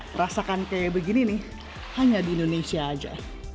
merasakan kayak begini nih hanya di indonesia aja